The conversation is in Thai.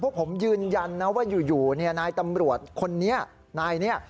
พวกผมยืนยันนะว่าอยู่นายตำรวจคนนี้นายนี้